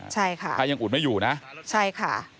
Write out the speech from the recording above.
ใช่ค่ะถ้ายังอุดไม่อยู่นะใช่ค่ะ